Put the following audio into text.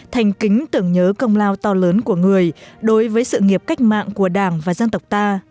thành kính tưởng nhớ công lao to lớn của người đối với sự nghiệp cách mạng của đảng và dân tộc ta